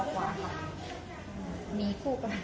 สวัสดีครับ